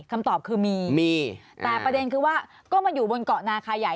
คำตอบคือมีมีแต่ประเด็นคือว่าก็มาอยู่บนเกาะนาคาใหญ่